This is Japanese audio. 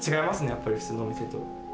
やっぱり普通のお店と。